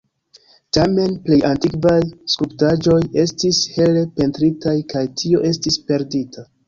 Tamen, plej antikvaj skulptaĵoj estis hele pentritaj, kaj tio estis perdita.